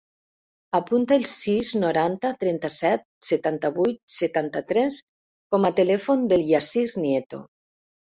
Apunta el sis, noranta, trenta-set, setanta-vuit, setanta-tres com a telèfon del Yassir Nieto.